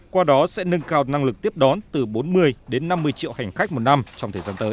qua đó sẽ nâng cao năng lực tiếp đón từ bốn mươi đến năm mươi triệu hành khách một năm trong thời gian tới